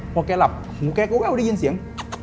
พอแกหลับโอโหแกก็ได้ยินเสียง